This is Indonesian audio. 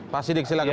pak siddiq silahkan